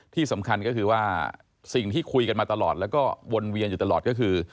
ที่คุยกันมาตลอดแล้วก็วนเวียนอยู่ตลอดก็คือ